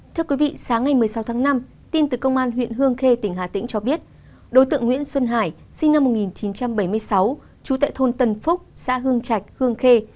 thưa quý vị sáng ngày một mươi sáu tháng năm tin từ công an huyện hương khê tỉnh hà tĩnh cho biết đối tượng nguyễn xuân hải sinh năm một nghìn chín trăm bảy mươi sáu trú tại thôn tân phúc xã hương trạch hương khê